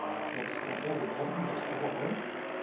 L'ex-cap de govern hi està d'acord?